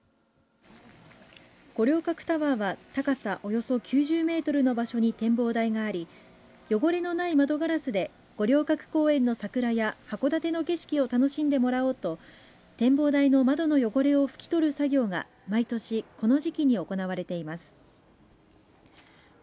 五稜郭タワーは高さおよそ９０メートルの場所に展望台があり汚れのない窓ガラスで五稜郭公園の桜や函館の景色を楽しんでもらおうと展望台の窓の汚れをふき取る作業が毎年この時期に行われています。